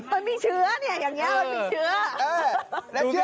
มันมีเชื้อเนี่ยอย่างนี้มันมีเชื้อ